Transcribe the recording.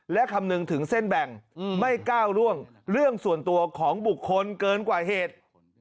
และคำนึงถึงเส้นแบ่งไม่ก้าวร่วงเรื่องส่วนตัวของบุคคลเกินกว่าเหตุ